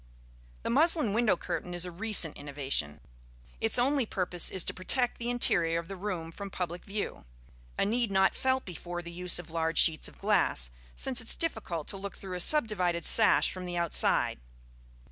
The muslin window curtain is a recent innovation. Its only purpose is to protect the interior of the room from public view: a need not felt before the use of large sheets of glass, since it is difficult to look through a subdivided sash from the outside.